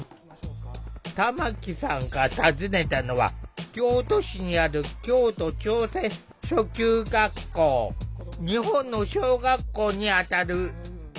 玉木さんが訪ねたのは京都市にある日本の小学校にあたる。